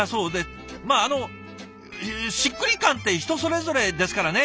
まああのしっくり感って人それぞれですからね。